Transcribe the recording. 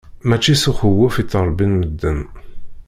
Mačči s uxewwef i ttṛebbin medden.